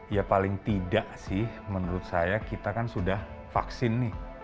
ya paling tidak sih menurut saya kita kan sudah vaksin nih